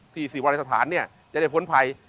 ที่ศรีวรษฐานเนี่ยจะได้พ้นภัย